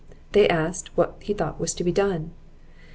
They asked, what he thought was to be done?